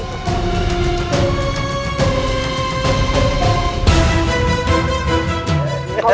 umat sepuluh bandala